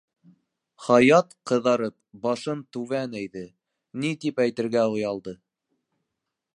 Хаят, ҡыҙарып, башын түбән эйҙе, ни тип әйтергә лә оялды.